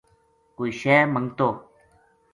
کوئی شے منگتو